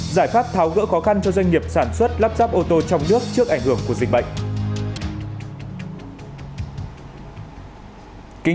giải pháp tháo gỡ khó khăn cho doanh nghiệp sản xuất lắp ráp ô tô trong nước trước ảnh hưởng của dịch bệnh